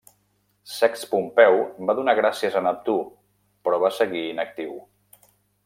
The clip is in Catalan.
Sext Pompeu va donar gràcies a Neptú, però va seguir inactiu.